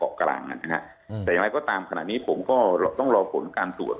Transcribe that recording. แต่ยังไงก็ตามขนาดนี้ผมก็ต้องรอผลการสวด